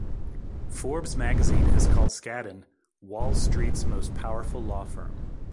"Forbes" magazine has called Skadden "Wall Street's most powerful law firm.